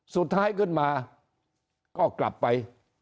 สุดท้ายขึ้นมาก็กลับไป